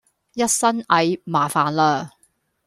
一身蟻麻煩啦